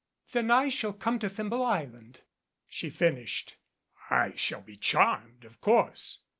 "Then I shall come to Thimble Island," she finished. "I shall be charmed, of course."